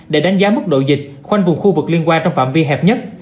để đánh giá mức độ dịch khoanh vùng khu vực liên quan trong phạm vi hẹp nhất